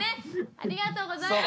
ありがとうございます。